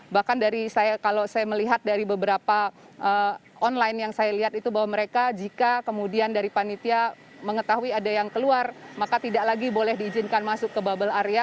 bahkan kalau saya melihat dari beberapa online yang saya lihat itu bahwa mereka jika kemudian dari panitia mengetahui ada yang keluar maka tidak lagi boleh diizinkan masuk ke bubble area